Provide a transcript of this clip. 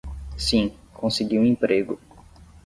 Sim, consegui um emprego.